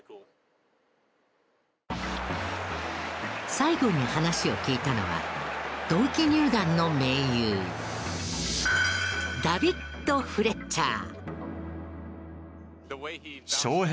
最後に話を聞いたのは同期入団の盟友ダビッド・フレッチャー。